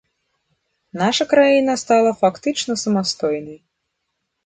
Наша краіна стала фактычна самастойнай.